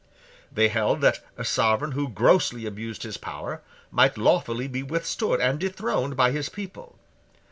They held that a sovereign who grossly abused his power might lawfully be withstood and dethroned by his people.